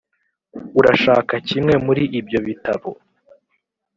urashaka kimwe muri ibyo bitabo?